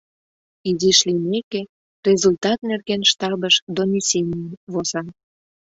Изиш лиймеке, результат нерген штабыш донесенийым воза.